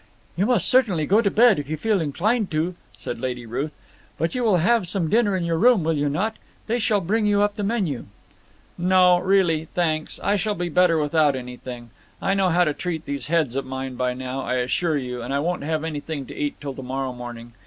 "You must certainly go to bed if you feel inclined to," said Lady Ruth; "but you will have some dinner in your room, will you not? They shall bring you up the menu." "No, really, thanks, I shall be better without anything. I know how to treat these heads of mine by now, I assure you, and I won't have anything to eat till to morrow morning.